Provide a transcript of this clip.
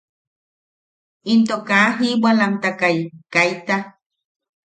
Into kaa jibwalamtakai, kaita.